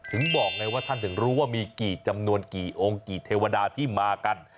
ถึงบอกไงว่าท่านถึงรู้ว่ามีกี่จำนวนกี่องค์กี่เทวดาที่มากัน